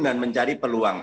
dan mencari peluang